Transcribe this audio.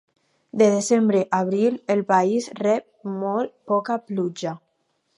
De desembre a abril, el país rep molt poca pluja.